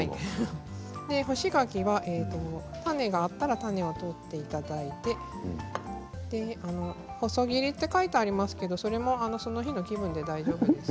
干し柿、種があったら種を取っていただいて細切りって書いてありますけどそれもその日の気分で大丈夫です。